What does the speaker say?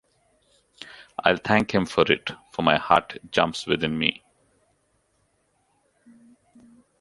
I'll thank him for it, for my heart jumps within me.